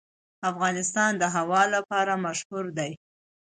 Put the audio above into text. افغانستان د هوا لپاره مشهور دی.